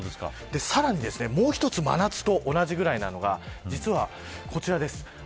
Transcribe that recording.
さらに、もう一つ真夏と同じぐらいなのが実は、こちらです。